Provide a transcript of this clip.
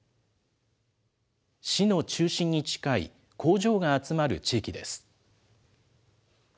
市の中心に近い、工場が集まる地域です。